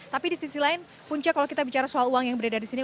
tapi di sisi lain punca kalau kita bicara soal uang yang beredar di sini